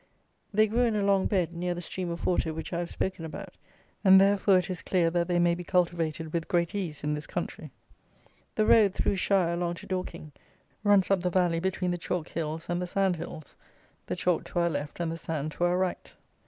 They grew in a long bed near the stream of water which I have spoken about, and therefore it is clear that they may be cultivated with great ease in this country. The road, through Shire along to Dorking, runs up the valley between the chalk hills and the sand hills; the chalk to our left and the sand to our right.